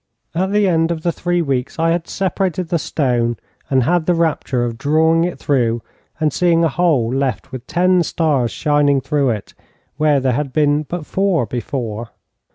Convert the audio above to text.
At the end of three weeks I had separated the stone, and had the rapture of drawing it through, and seeing a hole left with ten stars shining through it, where there had been but four before.